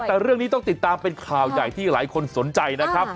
แต่เรื่องนี้ต้องติดตามเป็นข่าวใหญ่ที่หลายคนสนใจนะครับ